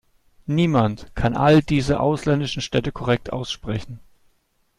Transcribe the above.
Niemand kann all diese ausländischen Städte korrekt aussprechen.